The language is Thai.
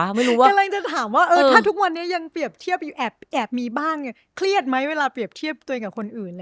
กำลังจะถามว่าถ้าทุกวันนี้ยังเปรียบเทียบอยู่แอบมีบ้างเครียดไหมเวลาเปรียบเทียบตัวเองกับคนอื่น